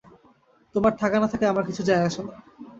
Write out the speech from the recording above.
তোমার থাকা না থাকায় আমার কিছু যায় আসে না।